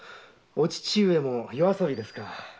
お父上も夜遊びですか？